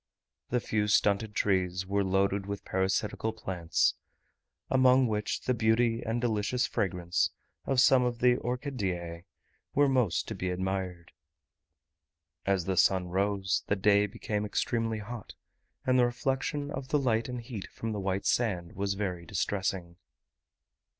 The few stunted trees were loaded with parasitical plants, among which the beauty and delicious fragrance of some of the orchideae were most to be admired. As the sun rose, the day became extremely hot, and the reflection of the light and heat from the white sand was very distressing.